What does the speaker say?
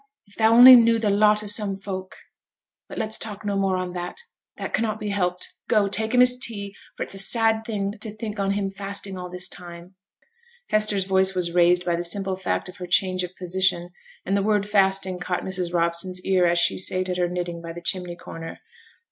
if thou only knew the lot o' some folk. But let's talk no more on that, that cannot be helped; go, take him his tea, for it's a sad thing to think on him fasting all this time.' Hester's voice was raised by the simple fact of her change of position; and the word fasting caught Mrs. Robson's ear, as she sate at her knitting by the chimney corner.